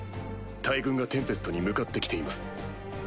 大軍がテンペストに向かって来ています。